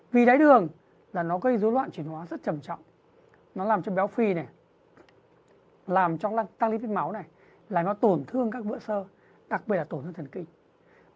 vì đái đường là nó gây dối loạn trình hóa rất trầm trọng nó làm cho béo phi này làm cho tăng lý tiết máu này là nó tổn thương các vỡ sơ đặc biệt là tổn thương thần kinh